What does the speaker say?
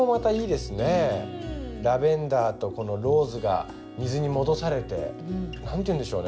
ラベンダーとローズが水に戻されて何て言うんでしょうね